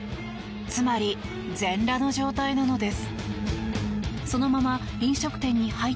つまり、全裸の状態なのです。